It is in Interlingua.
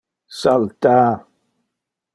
Salta!